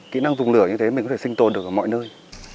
kỹ năng dùng lửa như thế mình có thể sinh tồn được ở mọi nơi